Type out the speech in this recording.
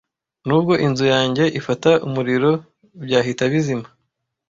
Nubwo inzu yanjye ifata umuriro byahita bizimya.